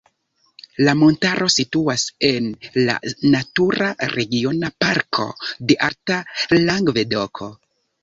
La montaro situas en la Natura Regiona Parko de Alta Langvedoko.